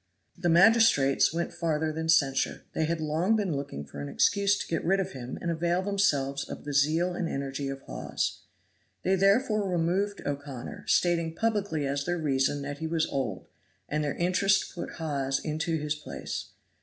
The magistrates went farther than censure; they had long been looking for an excuse to get rid of him and avail themselves of the zeal and energy of Hawes. They therefore removed O'Connor, stating publicly as their reason that he was old; and their interest put Hawes into his place.